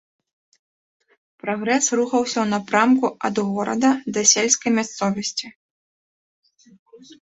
Прагрэс рухаўся ў напрамку ад горада да сельскай мясцовасці.